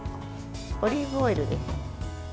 オリーブオイルです。